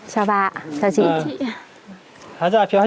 chào bà ạ chào chị